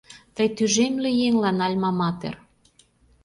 Тый тӱжемле еҥлан Альма-матер